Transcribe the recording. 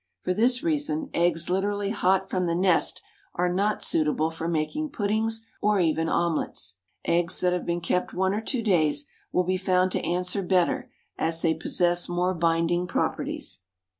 For this reason eggs literally hot from the nest are not suitable for making puddings or even omelets. Eggs that have been kept one or two days will be found to answer better, as they possess more binding properties.